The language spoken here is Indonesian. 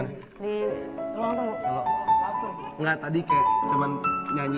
tidak apa apa tak bisa kau salahkan